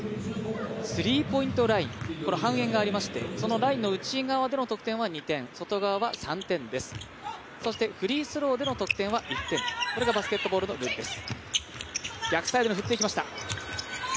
スリーポイントライン半円がありましてラインの内側での得点は２点、外側は３点ですフリースローでの得点は１点、これがバスケットボールのルールです。